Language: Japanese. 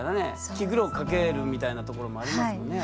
気苦労をかけるみたいなところもありますもんね。